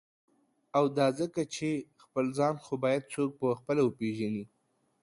او دا ځکه چی » خپل ځان « خو باید څوک په خپله وپیژني.